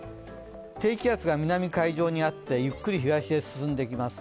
低気圧が南海上にあってゆっくり東へ進んできます。